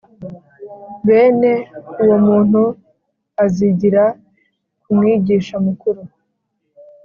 bene uwo muntu azigira ku mwigisha mukuru.